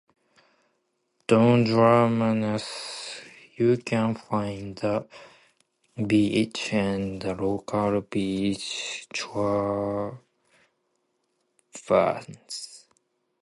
'Down' Drapanias you can find the beach and the local beach taverns.